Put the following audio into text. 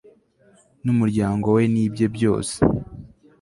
n'umuryango we, n'ibye byose